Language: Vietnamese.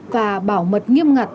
và bảo mật nghiêm ngặt